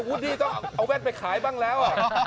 ดี้ต้องเอาแว่นไปขายบ้างแล้ว